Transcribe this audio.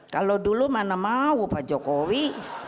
kalau dulu mana mau pak jokowi